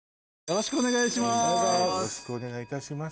よろしくお願いします！